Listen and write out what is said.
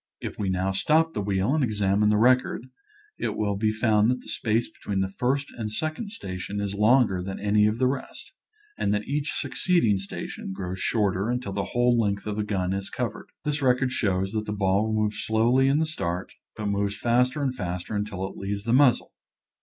If we now stop the wheel and examine the record it will be found that the space between the first and second station is longer than any of the rest, and that each succeeding space grows shorter until the whole length of the gun is covered. This record shows that the ball moves slowly in the start, but moves faster and faster until it leaves the muzzle.